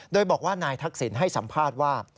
โดยบอกว่านายทักษิณให้สัมภาษณ์ว่า